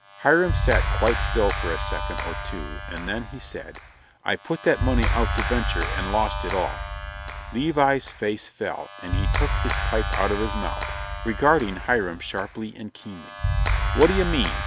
Hiram sat quite still for a second or two and then he said, "I put that money out to venture and lost it all." Levi's face fell and he took his pipe out of his mouth, regarding Hiram sharply and keenly. "What d'ye mean?"